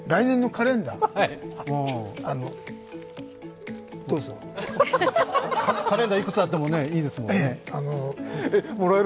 カ、カレンダーはいくつあってもいいですもんね。